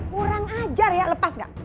kurang ajar ya lepas gak